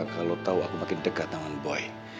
kalau tahu aku makin dekat dengan boy